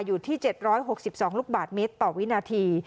อยู่ที่๗๖๒ลูกบาทเมตรต่อวินาที